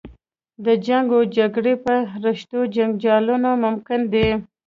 د جنګ و جګړو په رشتو جنجالونه ممکن دي.